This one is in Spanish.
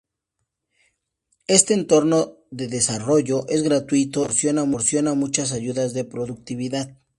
Este entorno de desarrollo es gratuito, y proporciona muchas ayudas de productividad.